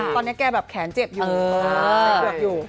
ตอนนี้แกแบบแขนเจ็บอยู่